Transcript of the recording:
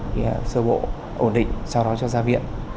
thì sơ bộ ổn định sau đó cho ra viện